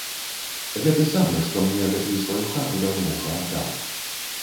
Гэты самы, што мне гэтую сваю хату даўно ўжо аддаў.